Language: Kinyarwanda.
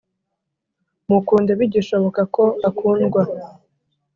Mukunde bigishoboka ko akundwa